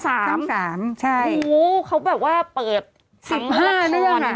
โอ้โฮเขาแบบว่าเปิด๑๕เรื่อง